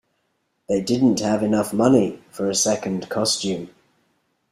They didn't have enough money for a second costume.